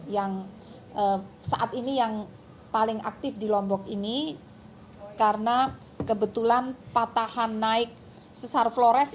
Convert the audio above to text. yang saat ini yang paling aktif di lombok ini karena kebetulan patahan naik sesar flores